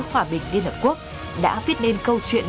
hòa bình liên hợp quốc đã viết nên câu chuyện